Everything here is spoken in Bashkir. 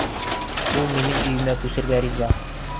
Ул минең өйөмә күсергә риза!